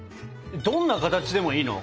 どんな形でもいいの？